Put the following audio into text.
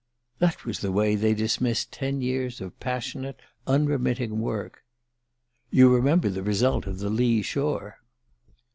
_" That was the way they dismissed ten years of passionate unremitting work! "_You remember the result of 'The Lee Shore.